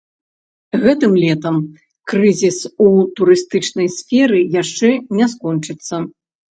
Гэтым летам крызіс у турыстычнай сферы яшчэ не скончыцца.